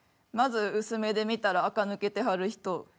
まず薄目で見たらあか抜けてはる人。